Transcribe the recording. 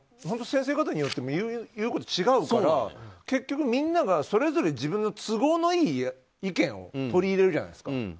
先生方によっても言うこと違うから結局、みんながそれぞれ自分の都合のいい意見を取り入れるじゃないですか。